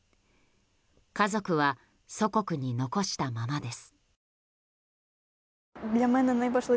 家族は祖国に残したままです。